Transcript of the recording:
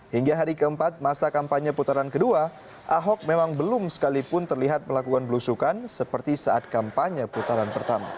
hingga hari keempat masa kampanye putaran kedua ahok memang belum sekalipun terlihat melakukan belusukan seperti saat kampanye putaran pertama